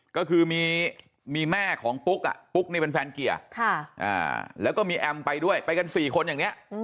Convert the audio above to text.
ก็คือมีแม่ของปุ๊กปุ๊กนี่เป็นแฟนเกียร์แล้วก็มีแอมไปด้วยไปกัน๔คนอย่างนี้